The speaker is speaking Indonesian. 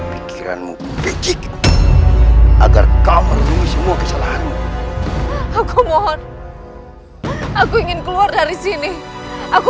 pikiranmu kecik agar kamu menunggu semua kesalahanmu aku mohon aku ingin keluar dari sini aku